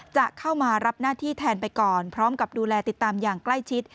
จะเข้ามารับหน้าที่แทนไปก่อนพร้อมกับดูแลติดตามอย่างใกล้ชิด